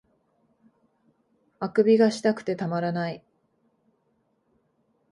欠伸がしたくてたまらない